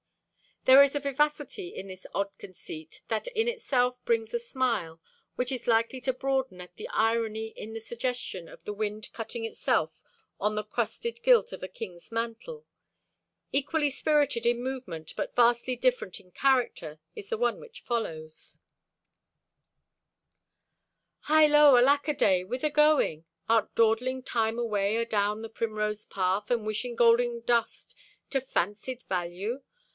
There is a vivacity in this odd conceit that in itself brings a smile, which is likely to broaden at the irony in the suggestion of the wind cutting itself on the crusted gilt of a king's mantle. Equally spirited in movement, but vastly different in character, is the one which follows: Hi ho, alack a day, whither going? Art dawdling time away adown the primrose path And wishing golden dust to fancied value?